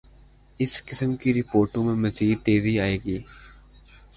اس قسم کی رپورٹوں میںمزید تیزی آئے گی۔